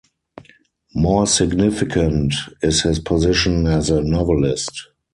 More significant is his position as a novelist.